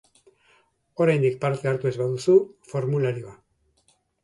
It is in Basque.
Oraindik parte hartu ez baduzu, formularioa.